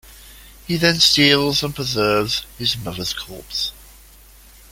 He then steals and preserves his mother's corpse.